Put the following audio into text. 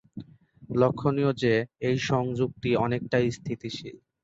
লক্ষণীয় যে, এই সংযুক্তি অনেকটাই স্থিতিশীল।